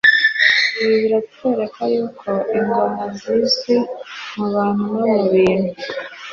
Ibi biratwereka y'uko ingoma zizwi mu bantu no mu bintu ;